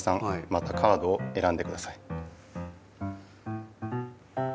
またカードをえらんでください。